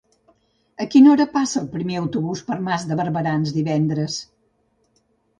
A quina hora passa el primer autobús per Mas de Barberans divendres?